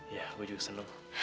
iya gue juga seneng